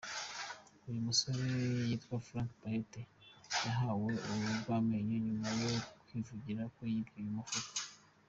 Uyu musore yitwa Frank Buhet yahawe urwamenyo nyuma yo kwivugira ko yibye uyu mufuka.